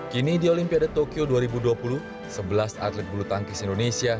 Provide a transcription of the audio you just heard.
kini di olimpiade tokyo dua ribu dua puluh sebelas atlet bulu tangkis indonesia